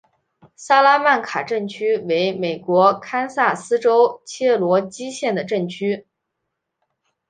萨拉曼卡镇区为美国堪萨斯州切罗基县的镇区。